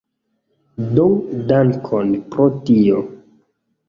Do dankon pro tio.